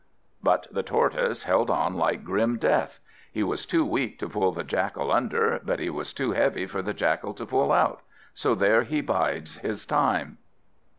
But the Tortoise held on like grim death. He was too weak to pull the Jackal under, but he was too heavy for the Jackal to pull out; so there he bides his time.